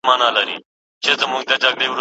چي د کوچ خبر یې جام د اجل راسي